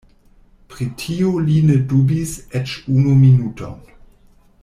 Pri tio li ne dubis eĉ unu minuton.